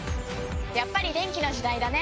やっぱり電気の時代だね！